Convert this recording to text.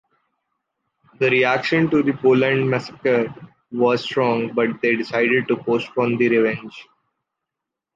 The reaction to the Poland massacre was strong, but they decided to postpone the revenge.